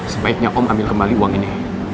sebaiknya om ambil kembali uang ini